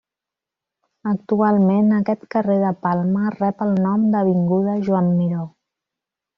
Actualment, aquest carrer de Palma rep el nom d'Avinguda Joan Miró.